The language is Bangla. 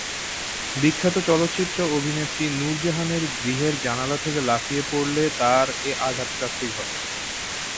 বিখ্যাত চলচ্চিত্র অভিনেত্রী নূর জাহানের গৃহের জানালা থেকে লাফিয়ে পড়লে তার এ আঘাতপ্রাপ্তি ঘটে।